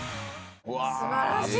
素晴らしい！